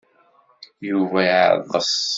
Yuba iɛeḍḍes.